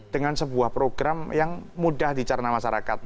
dengan sebuah program yang mudah dicarna masyarakat